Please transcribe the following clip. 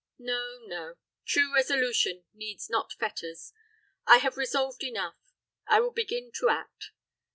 No, no; true resolution needs not fetters. I have resolved enough; I will begin to act.